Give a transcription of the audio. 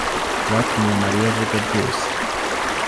Batumye Mariya avuga byose